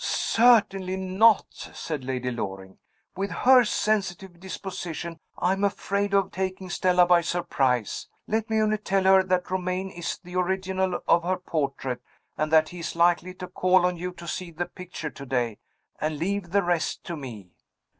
"Certainly not!" said Lady Loring. "With her sensitive disposition, I am afraid of taking Stella by surprise. Let me only tell her that Romayne is the original of her portrait, and that he is likely to call on you to see the picture to day and leave the rest to me."